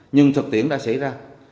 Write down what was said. nhưng thực tiễn đã xảy ra